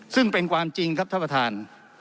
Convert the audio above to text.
ซึ่งเป็นความจริงครับท่านประธาน